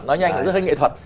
nói nhanh là rất hơi nghệ thuật